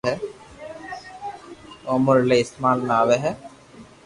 او اموري ايلائي استعمال ۾ آوي ھي